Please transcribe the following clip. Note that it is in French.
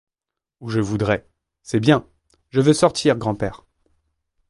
Où je voudrai. -C'est bien. -Je veux sortir, grand-père.